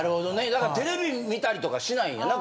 だからテレビ見たりとかしないんやな？